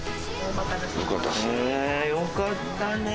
よかったね。